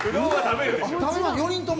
４人とも？